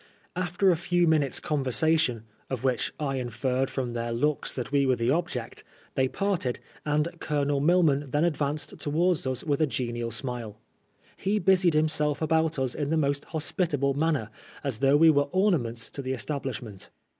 After a few minutes' conversation, of which I inferred from their looks that we were the object, they parted,, and Colonel Milman then advanced towards us with a genial smile. He busied himself about us in the most hos pitable manner, as though we were ornaments to the establishment.